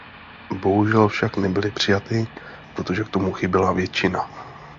Bohužel však nebyly přijaty, protože k tomu chyběla většina.